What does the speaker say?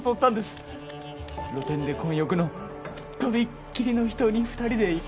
露天で混浴のとびっきりの秘湯に２人で行こうと。